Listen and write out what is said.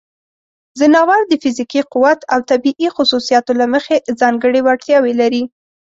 ځناور د فزیکي قوت او طبیعی خصوصیاتو له مخې ځانګړې وړتیاوې لري.